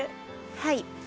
はい。